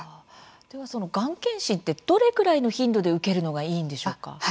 では、がん検診ってどれぐらいの頻度で受ければいいのでしょうか。